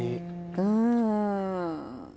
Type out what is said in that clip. うん。